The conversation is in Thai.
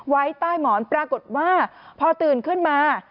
ไว้ใต้หมอนปรากฏว่าพอตื่นขึ้นมา